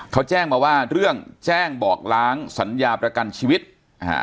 เขาแจ้งมาว่าเรื่องแจ้งบอกล้างสัญญาประกันชีวิตอ่า